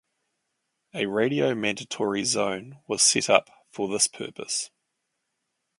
A Radio Mandatory Zone was set up for this purpose.